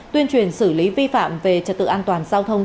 tuyên truyền xử lý vi phạm về trật tự an toàn giao thông